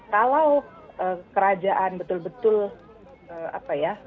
kalau kerajaan betul betul apa ya